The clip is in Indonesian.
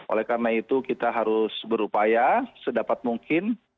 oleh karena itu kita harus berupaya sedapat mungkin